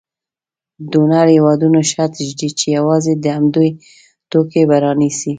ډونر هېوادونه شرط ږدي چې یوازې د همدوی توکي به رانیسي.